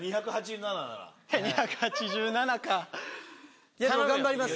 ２８７か頑張ります。